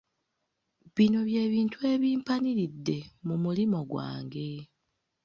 Bino bye bintu ebimpaniridde mu mulimo gwange.